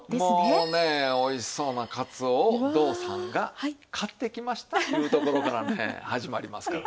もうねおいしそうなカツオを堂さんが買ってきましたというところからね始まりますから。